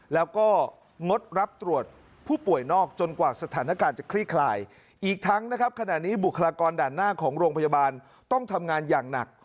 แล้วก็งดรับตรวจผู้ป่วยนอกจนกว่าสถานการณ์จะคลี่คลายอีกทั้งนะครับขณะนี้บุคลากรด่านหน้าของโรงพยาบาลต้องทำงานอย่างหนัก